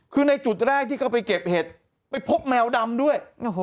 คือในจุดแรกที่เขาไปเก็บเห็ดไปพบแมวดำด้วย